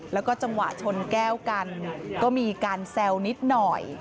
แล้วก็จังหวะชนแก้วกันก็มีการแซวนิดหน่อย